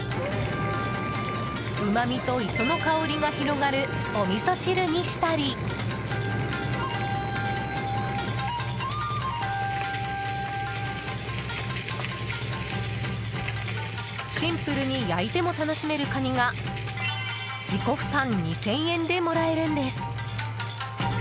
うまみと磯の香りが広がるおみそ汁にしたりシンプルに焼いても楽しめるカニが自己負担２０００円でもらえるんです。